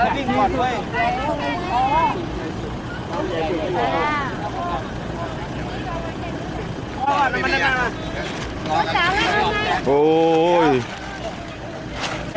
ระเทนเดี๋ยวพาไปปล่อยแล้วไปปล่อยปล่อยเฮ้เฮ้เฮ